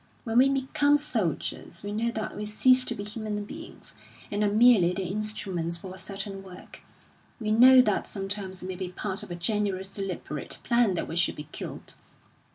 When we become soldiers, we know that we cease to be human beings, and are merely the instruments for a certain work; we know that sometimes it may be part of a general's deliberate plan that we should be killed.